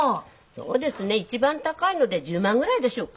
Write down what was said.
そうですね一番高いので１０万ぐらいでしょうか。